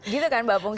gitu kan mbak punggi